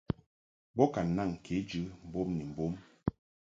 Bo ka naŋ kejɨ mbom ni mbom.